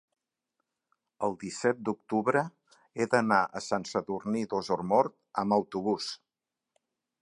el disset d'octubre he d'anar a Sant Sadurní d'Osormort amb autobús.